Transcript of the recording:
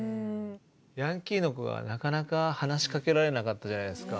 ヤンキーの子がなかなか話しかけられなかったじゃないですか。